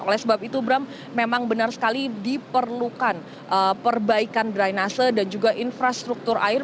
oleh sebab itu bram memang benar sekali diperlukan perbaikan drainase dan juga infrastruktur air